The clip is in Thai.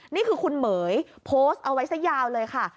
นี่คือคุณเหม๋ยโพสต์เอาไว้ซะยาวเลยค่ะ